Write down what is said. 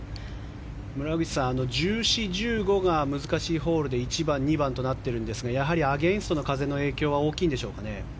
村口さん、１４、１５が難しいホールで１番、２番となっているんですがやはりアゲンストの風の影響は大きいんでしょうか。